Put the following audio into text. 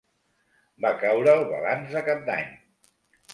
Va caure'l balanç de cap d'any